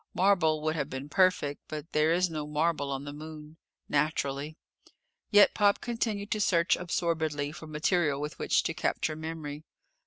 Marble would have been perfect, but there is no marble on the Moon. Naturally! Yet Pop continued to search absorbedly for material with which to capture memory.